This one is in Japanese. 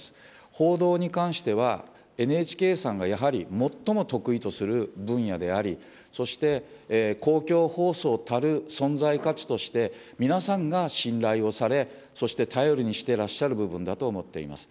報道に関しては、ＮＨＫさんがやはり最も得意とする分野であり、そして公共放送たる存在価値として、皆さんが信頼をされ、そして頼りにしてらっしゃる部分だと思っています。